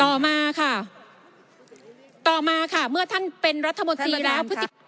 ต่อมาค่ะต่อมาค่ะเมื่อท่านเป็นรัฐมนตรีแล้ว